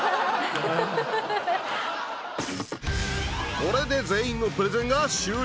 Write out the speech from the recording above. これで全員のプレゼンが終了。